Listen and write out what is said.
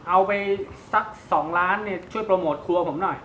เอาไปสัก๒ล้านช่วยโปรโมทครัวผมหน่อย